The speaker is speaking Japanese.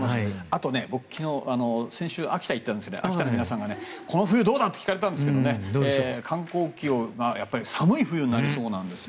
あと、僕先週秋田に行ったんですが秋田の皆さんにこの冬どうだ？って聞かれたんですけど寒い冬となりそうなんです。